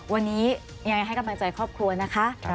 วันนี้ยังไงให้กำลังใจครอบครัวนะคะ